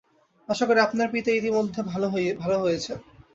আশা করি আপনার পিতা ইতোমধ্যে ভাল হয়েছেন।